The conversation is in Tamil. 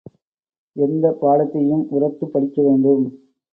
எந்தப் பாடத்தையும் உரத்துப் படிக்க வேண்டும்.